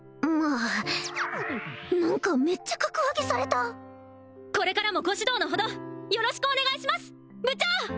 あ何かめっちゃ格上げされたこれからもご指導の程よろしくお願いします部長！